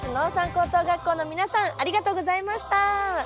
高等学校の皆さんありがとうございました。